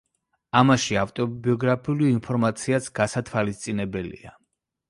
ამაში ავტობიოგრაფიული ინფორმაციაც გასათვალისწინებელია.